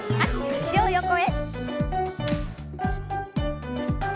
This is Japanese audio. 脚を横へ。